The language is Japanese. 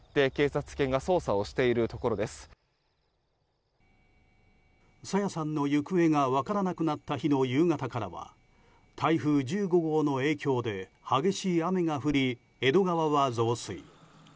朝芽さんの行方が分からなくなった日の夕方からは台風１５号の影響で激しい雨が降り江戸川は増水。